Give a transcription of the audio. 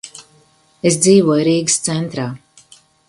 Es dzīvoju Rīgas centrā.